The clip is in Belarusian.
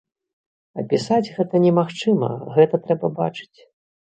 Апісаць гэта немагчыма, гэта трэба бачыць.